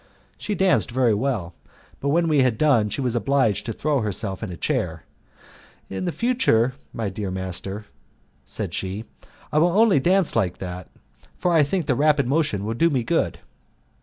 She danced very well, but when we had done she was obliged to throw herself in a chair. "In future, my dear master," said she, "I will only dance like that, for I think the rapid motion will do me good."